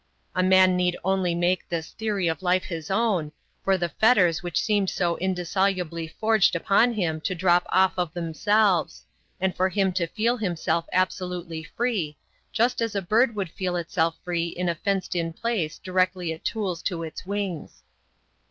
A man need only make this theory of life his own, for the fetters which seemed so indissolubly forged upon him to drop off of themselves, and for him to feel himself absolutely free, just as a bird would feel itself free in a fenced in place directly it tools to its wings.